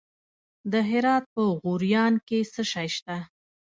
د هرات په غوریان کې څه شی شته؟